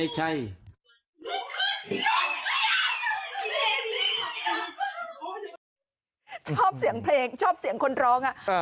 ชอบเสียงเพลงชอบเสียงคนร้อง